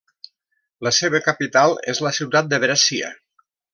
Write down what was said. La seva capital és la ciutat de Brescia.